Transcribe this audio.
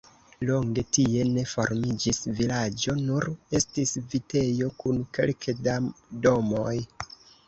Longe tie ne formiĝis vilaĝo, nur estis vitejo kun kelke da domoj.